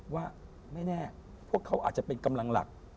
ว่าไม่แน่พวกเขาอาจจะเป็นกำลังหลัก